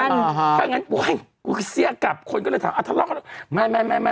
ถ้าอย่างนั้นโอ๊ยกูเสียกลับคนก็เลยถามอ้าวทะเลาะ